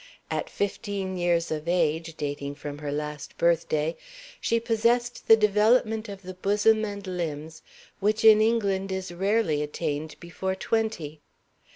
At fifteen years of age (dating from her last birthday) she possessed the development of the bosom and limbs which in England is rarely attained before twenty.